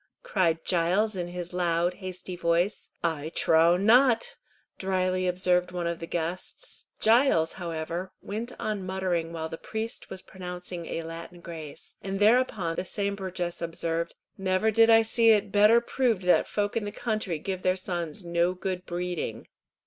cried Giles, in his loud, hasty voice. "I trow not," dryly observed one of the guests. Giles, however, went on muttering while the priest was pronouncing a Latin grace, and thereupon the same burgess observed, "Never did I see it better proved that folk in the country give their sons no good breeding."